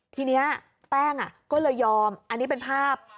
ทีนี้แป้งก็เลยยอมอันนี้เป็นภาพ